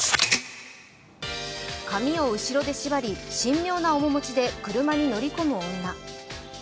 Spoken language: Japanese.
髪を後ろで縛り、神妙な面持ちで車に乗り込む女。